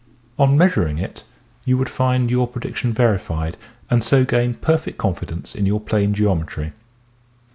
On measuring it you would find your predic tion verified and so gain perfect confidence in your plane geometry.